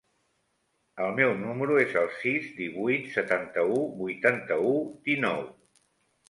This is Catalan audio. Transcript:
El meu número es el sis, divuit, setanta-u, vuitanta-u, dinou.